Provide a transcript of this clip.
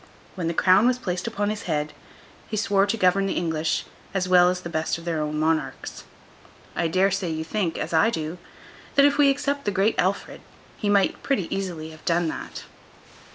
When the crown was placed upon his head, he swore to govern the English as well as the best of their own monarchs. I dare say you think, as I do, that if we except the Great Alfred, he might pretty easily have done that.